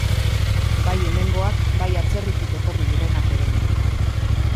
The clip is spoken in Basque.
Bai hemengoak, bai atzerritik etorri direnak ere.